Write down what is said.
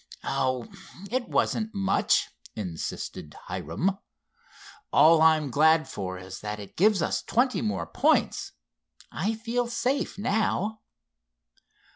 "Oh, it wasn't much," insisted Hiram. "All I'm glad for is that it gives us twenty more points. I feel safe now."